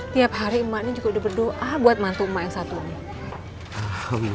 tiap hari mak ini juga udah berdoa buat mantu mak yang satu ini